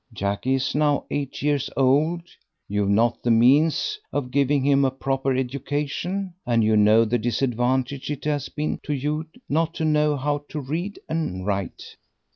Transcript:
Jackie is now eight years old, you've not the means of giving him a proper education, and you know the disadvantage it has been to you not to know how to read and write."